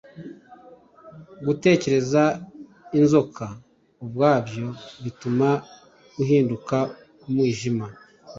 Gutekereza inzoka ubwabyo bituma ahinduka umwijima.